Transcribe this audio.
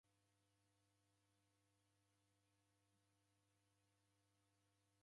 W'endaw'ona maduma w'edeinjika.